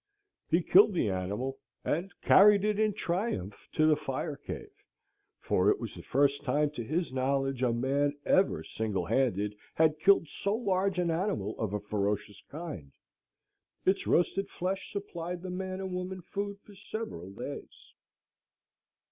He killed the animal and carried it in triumph to the fire cave, for it was the first time, to his knowledge, a man, ever, single handed, had killed so large an animal of a ferocious kind. Its roasted flesh supplied the man and woman food for several days.